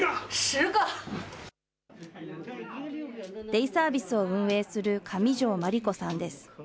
デイサービスを運営する上條真理子さんです。